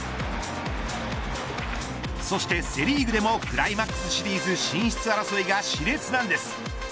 そしてセ・リーグでもクライマックスシリーズ進出争いがし烈なんです。